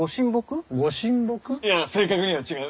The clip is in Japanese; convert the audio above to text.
いや正確には違う。